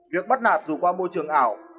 việc bắt nạt dù qua môi trường ảo